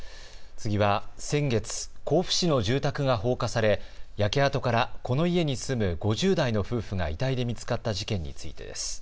次は先月、甲府市の住宅が放火され焼け跡からこの家に住む５０代の夫婦が遺体で見つかった事件についてです。